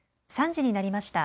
３時になりました。